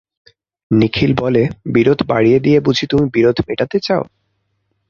নিখিল বলে, বিরোধ বাড়িয়ে দিয়ে বুঝি তুমি বিরোধ মেটাতে চাও?